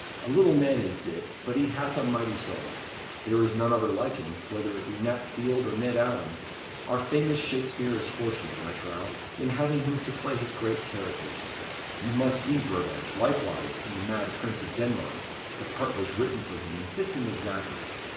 A little man is Dick, but he hath a mighty soul. There is none other like him, whether it be Nat Field or Ned Alleyn. Our famous Shakespeare is fortunate, I trow, in having him to play his great characters. You must see Burbadge, likewise, in the mad Prince of Denmark, the part was written for him, and fits him exactly.